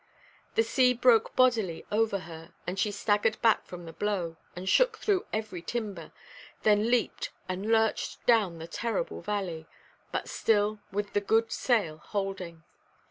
The sea broke bodily over her, and she staggered back from the blow, and shook through every timber, then leaped and lurched down the terrible valley, but still, with the good sail holding.